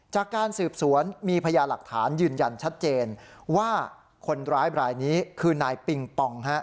จากการสืบสวนมีพยาหลักฐานยืนยันชัดเจนว่าคนร้ายบรายนี้คือนายปิงปอง